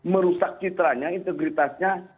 merusak citranya integritasnya